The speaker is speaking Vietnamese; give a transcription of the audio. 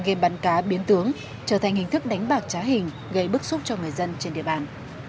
game bắn cá biến tướng trở thành hình thức đánh bạc trá hình gây bức xúc cho người dân trên địa bàn